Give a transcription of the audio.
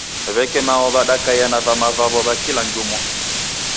Weke mao wadakaia na vama vawo va kila jumwa.